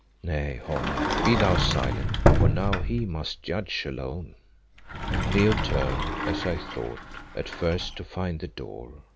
Nay, Holly, be thou silent, for now he must judge alone." Leo turned, as I thought, at first, to find the door.